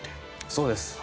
そうです。